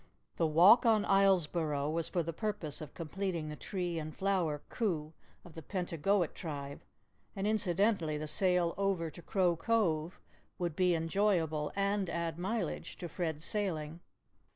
The walk on Islesboro was for the purpose of completing the tree and flower coups of the Pentagoet Tribe and incidentally the sail over to Crow Cove would be enjoyable and add mileage to Fred's sailing.